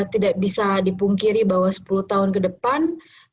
tidak bisa dipungkiri bahwa sepuluh tahun ke depan